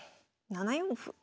７四歩。